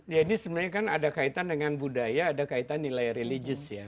jadi sebenarnya kan ada kaitan dengan budaya ada kaitan dengan nilai religius ya